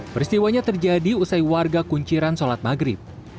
peristiwanya terjadi usai warga kunciran sholat maghrib